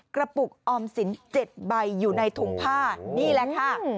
กระปุกออมสิน๗ใบอยู่ในถุงผ้านี่แหละค่ะ